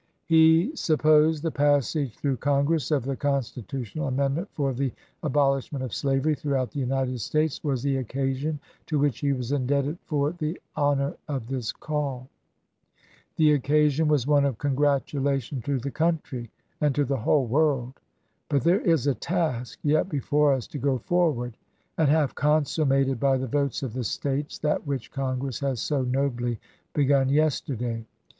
He supposed the passage through Congress of the con stitutional amendment for the abolishment of slavery throughout the United States was the occasion to which he was indebted for the honor of this call. The occasion was one of congratulation to the country and to the whole world. But there is a task yet before us — to go forward and have consummated by the votes of the States that which Congress had so nobly begun yesterday.